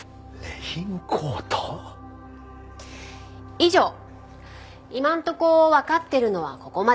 以上今のとこわかってるのはここまで。